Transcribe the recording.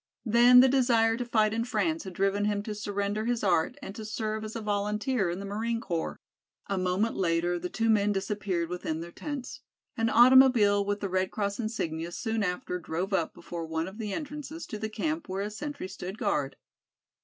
Then the desire to fight in France had driven him to surrender his art and to serve as a volunteer in the marine corps. A moment later the two men disappeared within their tents. An automobile with the Red Cross insignia soon after drove up before one of the entrances to the camp where a sentry stood guard.